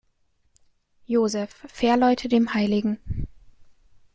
Josef, Fährleute dem hl.